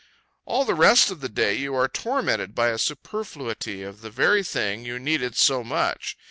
All the rest of the day you are tormented by a superfluity of the very thing you needed so much.